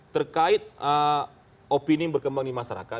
terkait opini yang berkembang di masyarakat